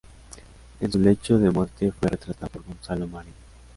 En su lecho de muerte fue retratado por Gonzalo Marín.